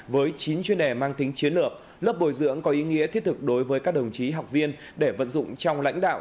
với chín chuyên đề mang tính chiến lược lớp bồi dưỡng có ý nghĩa thiết thực đối với các đồng chí học viên để vận dụng trong lãnh đạo